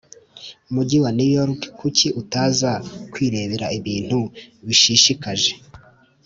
mugi wa New York kuki utaza kwirebera ibintu bishishikaje